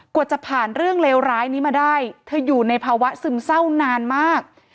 กว่าจะผ่านเรื่องเลวร้ายนี้มาได้เธออยู่ในภาวะซึมเศร้านานมาก